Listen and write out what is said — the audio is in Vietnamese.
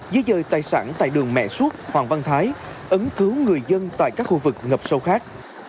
giới dời tài sản tại đường mẹ suốt hoàng văn thái ấn cứu người dân tại các khu vực ngập sâu khác